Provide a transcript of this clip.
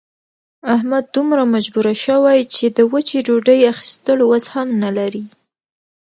احمد دومره مجبور شوی چې د وچې ډوډۍ اخستلو وس هم نه لري.